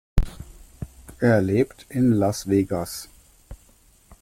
Er lebt in Las Vegas.